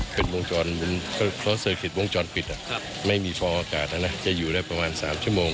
เพราะว่าเซอร์คิตวงจรปิดอ่ะไม่มีฟองอากาศนะจะอยู่ได้ประมาณ๓ชั่วโมง